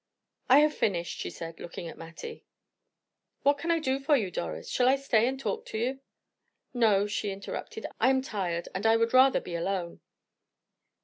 "I have finished," she said, looking at Mattie. "What can I do for you, Doris shall I stay and talk to you?" "No," she interrupted; "I am tired, and I would rather be alone."